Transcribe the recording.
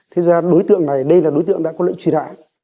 thế ra đối tượng này đây là đối tượng đã có lợi truy đại